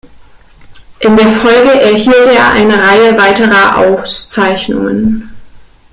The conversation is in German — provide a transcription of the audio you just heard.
In der Folge erhielt er eine Reihe weiterer Auszeichnungen.